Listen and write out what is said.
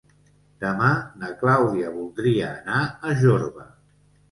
Demà na Clàudia voldria anar a Jorba.